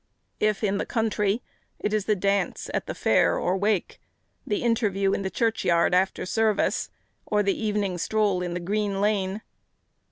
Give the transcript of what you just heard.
If in the country, it is the dance at the fair or wake, the interview in the churchyard after service, or the evening stroll in the green lane.